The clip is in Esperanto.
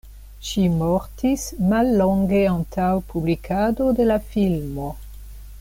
Ŝi mortis mallonge antaŭ publikado de la filmo.